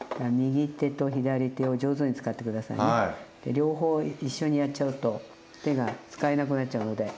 両方一緒にやっちゃうと手が使えなくなっちゃうので。